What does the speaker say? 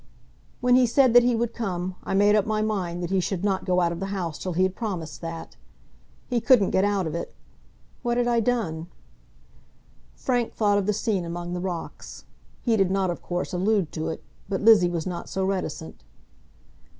"When he said that he would come, I made up my mind that he should not go out of the house till he had promised that. He couldn't get out of it. What had I done?" Frank thought of the scene among the rocks. He did not, of course, allude to it, but Lizzie was not so reticent.